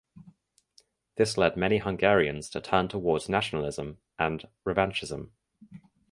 This led many Hungarians to turn towards nationalism and revanchism.